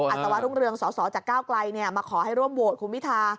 อสวรุ่งเรืองสสจากก้าวไกลมาขอให้ร่วมโหวตคุณพิธา